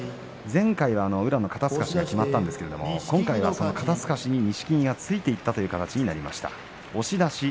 前回は宇良の肩すかしがきまったんですが今回はその肩すかしに、錦木がついていった形になりました。